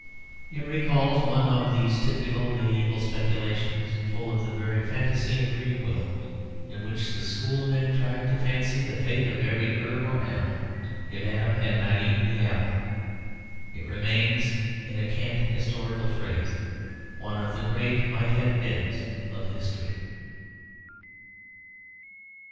It recalls one of these typical medieval speculations, full of the very fantasy of free will, in which the schoolmen tried to fancy the fate of every herb or animal if Adam had not eaten the apple. It remains, in a cant historical phrase, one of the great might have beens of history.